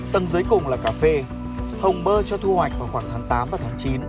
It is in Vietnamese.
tầng dưới cùng là cà phê hồng bơ cho thu hoạch vào khoảng tháng tám và tháng chín